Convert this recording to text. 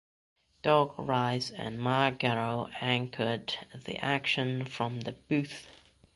Doug Rice and Mark Garrow anchored the action from the booth.